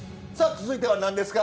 続いては何ですか？